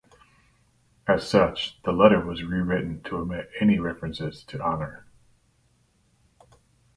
As such, the letter was rewritten to omit any references to honour.